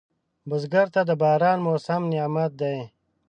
بزګر ته د باران موسم نعمت دی